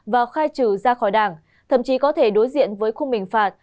và khai trừ ra khỏi đảng thậm chí có thể đối diện với khung hình phạt